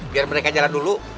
biar mereka jalan dulu